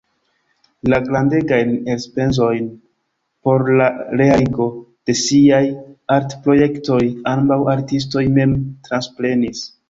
La grandegajn elspezojn por la realigo de siaj artprojektoj ambaŭ artistoj mem transprenis.